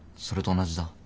それと同じだ。